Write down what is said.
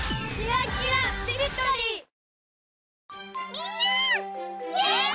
みんな！